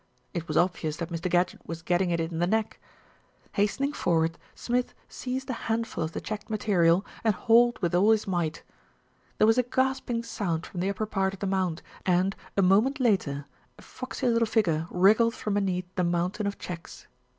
It was obvious that Mr. Gadgett was getting it in the neck. Hastening forward, Smith seized a handful of the 254 THE RETURN OF ALFRED checked material, and hauled with all his might. There was a gasping sound from the upper part of the mound and, a moment later, a foxy little figure wriggled from beneath the mountain of checks.